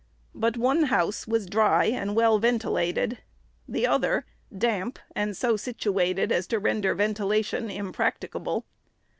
But one house was dry and well ventilated; the other damp, and so situated as to render ventilation impracti cable.